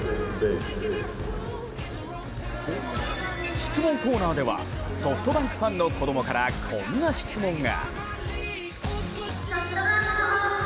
質問コーナーではソフトバンクファンの子供から、こんな質問が。